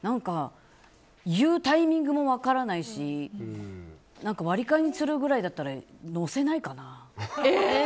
言うタイミングも分からないし割り勘にするくらいだったら乗せないかな。